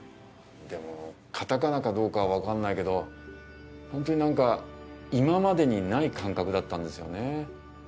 でもカタカナかどうかはわかんないけどホントになんか今までにない感覚だったんですよね。